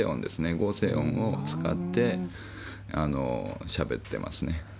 合成音を使って、しゃべってますね。